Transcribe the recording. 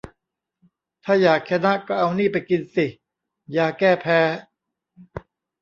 ถ้าอยากชนะก็เอานี่ไปกินสิ "ยาแก้แพ้"